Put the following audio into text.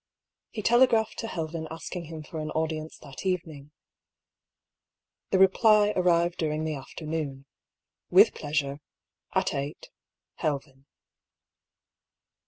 He telegraphed to Helven asking him for an audi 242 I>R PAULL'S THEORY. ence that evening. The reply arrived during the after noon: " With pleasure — at eight. — Helven.